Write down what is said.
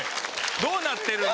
どうなってるんだ？